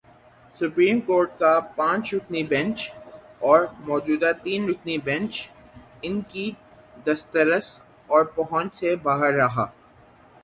Supreme court کا پانچ رکنی بینچ اور موجودہ تین رکنی بینچ ان کی دسترس اور پہنچ سے باہر رہا۔